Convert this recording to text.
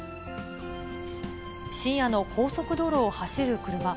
深夜の高速道路を走る車。